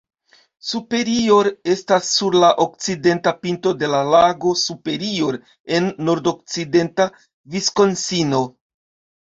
Superior estas sur la okcidenta pinto de la lago Superior en nordokcidenta Viskonsino.